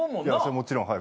もちろんはい。